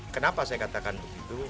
kenapa saya katakan begitu